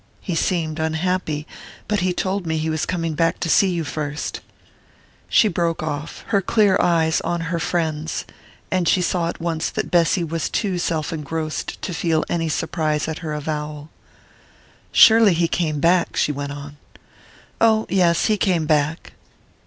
he seemed unhappy...but he told me he was coming back to see you first " She broke off, her clear eyes on her friend's; and she saw at once that Bessy was too self engrossed to feel any surprise at her avowal. "Surely he came back?" she went on. "Oh, yes he came back!"